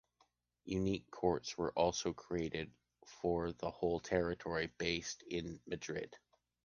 Unique courts were also created for the whole territory, based in Madrid.